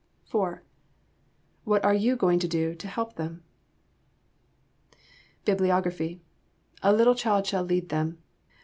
4. What are you doing to help them? BIBLIOGRAPHY A Little Child Shall Lead Them.